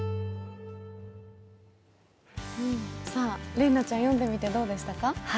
麗菜ちゃん読んでみてどうでしたか？